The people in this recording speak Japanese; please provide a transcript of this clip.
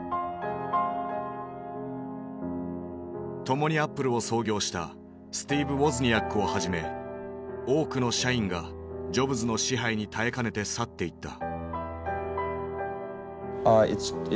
共にアップルを創業したスティーブ・ウォズニアックをはじめ多くの社員がジョブズの支配に耐えかねて去っていった。